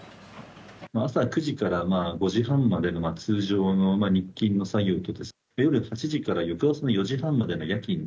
朝９時から５時半までの通常の日勤の作業で夜８時から翌朝の４時半まで夜勤